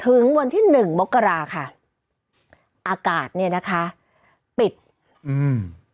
ถึงวันที่หนึ่งมกราค่ะอากาศเนี้ยนะคะปิดอืม